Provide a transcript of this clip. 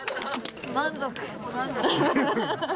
満足。